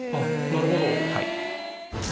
なるほど！